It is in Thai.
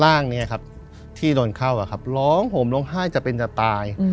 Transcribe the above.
ร่างนี้ครับที่โดนเข้าร้องห่มร้องไห้จะเป็นจะตาย